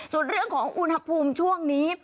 ส่วนเรื่องของอุณหภูมิช่วงนี้